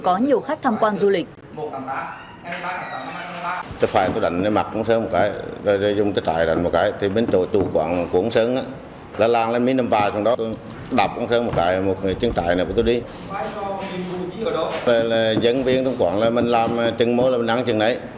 có nhiều khách tham quan du lịch